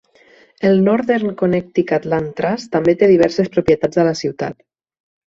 El Northern Connecticut Land Trust també té diverses propietats a la ciutat.